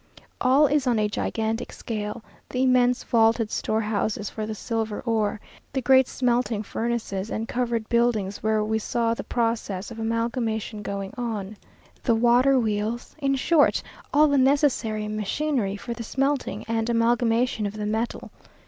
All is on a gigantic scale: the immense vaulted store houses for the silver ore; the great smelting furnaces and covered buildings where we saw the process of amalgamation going on; the water wheels; in short, all the necessary machinery for the smelting and amalgamation of the metal.